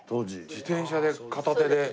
自転車で片手で。